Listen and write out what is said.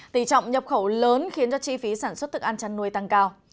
tỷ trọng nhập khẩu lớn khiến cho chi phí sản xuất thức ăn chăn nuôi tăng cao